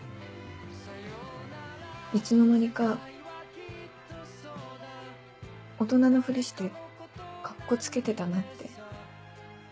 いつの間にか大人のフリしてカッコつけてたなって。